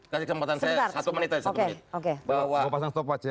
kasih kesempatan saya satu menit aja